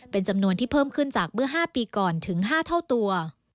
เป็นจำนวนที่เพิ่มขึ้นจากเมื่อ๕ปีก่อนถึง๕เท่าตัว